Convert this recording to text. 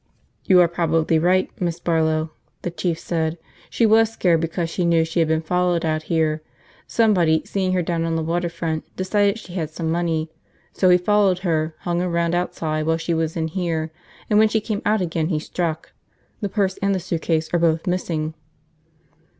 "You are probably right, Miss Barlow," the Chief said. "She was scared because she knew she had been followed out here. Somebody, seeing her down on the water front, decided she had some money. So he followed her, hung around outside while she was in here, and when she came out again he struck. The purse and the suitcase are both missing."